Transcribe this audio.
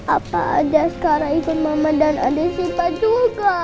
apa sekarang ikut mama dan adik siva juga